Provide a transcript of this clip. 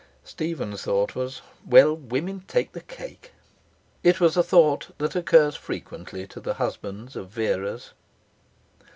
Stephen's thought was: 'Well, women take the cake.' It was a thought that occurs frequently to the husbands of Veras.